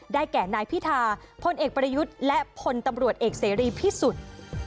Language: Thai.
แก่นายพิธาพลเอกประยุทธ์และพลตำรวจเอกเสรีพิสุทธิ์